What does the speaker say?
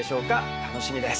楽しみです。